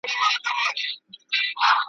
خو اوس نه وینمه هیڅ سامان په سترګو `